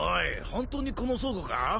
本当にこの倉庫か？